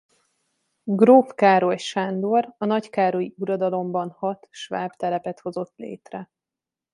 Gróf Károlyi Sándor a nagykárolyi uradalomban hat sváb telepet hozott létre.